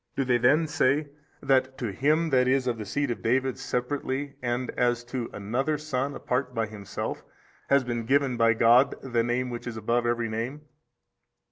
A. Do they then say that to him that is of the seed of David separately and as to another son apart by himself has been given by God the name which is above every name?